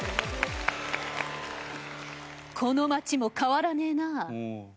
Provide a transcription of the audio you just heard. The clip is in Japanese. この町も変わらねえなあ。